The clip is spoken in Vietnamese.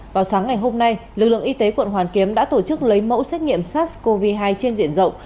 vào sáng ngày hôm nay lực lượng y tế quận hoàn kiếm đã tổ chức lấy mẫu xét nghiệm sars cov hai trên diện rộng